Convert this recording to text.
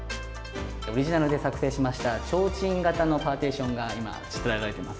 オリジナルで作成しました、ちょうちん型のパーティションがしつらえられています。